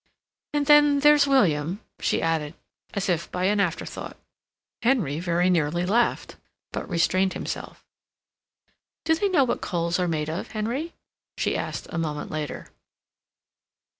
"And then there's William," she added, as if by an afterthought. Henry very nearly laughed, but restrained himself. "Do they know what coals are made of, Henry?" she asked, a moment later.